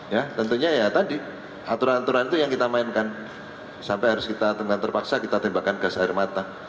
ya tentunya ya tadi aturan aturan itu yang kita mainkan sampai harus kita tentang terpaksa kita tembakan gas air mata